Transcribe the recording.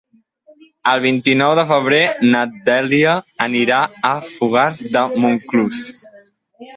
El vint-i-nou de febrer na Dèlia anirà a Fogars de Montclús.